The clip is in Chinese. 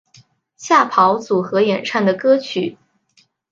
吓跑组合演唱的歌曲。